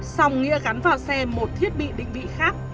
xong nghĩa gắn vào xe một thiết bị định vị khác